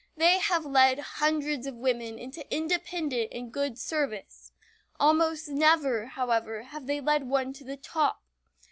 They have led hundreds of women into independence and good service. Almost never, however, have they led one to the top.